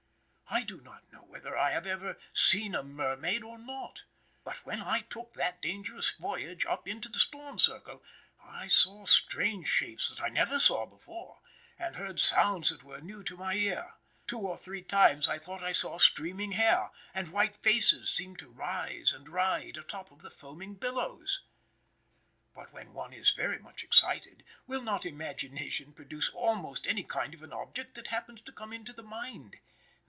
I do not know whether I have ever seen a mermaid or not. But when I took that dangerous voyage up into the storm circle, I saw strange shapes that I never saw before, and heard sounds that were new to my ear. Two or three times I thought I saw streaming hair, and white faces seemed to rise and ride atop of the foaming billows. But when one is very much excited, will not imagination produce almost any kind of an object that happens to come into the mind?